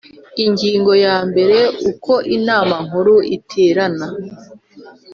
Ingingo ya mbere Uko Inama Nkuru iterana